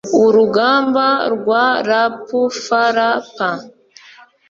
urugamba rwa rpfrpa